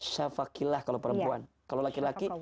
syafakilah kalau perempuan kalau laki laki